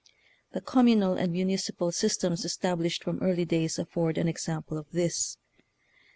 The commu nal and municipal systems established from early days afford an example of this.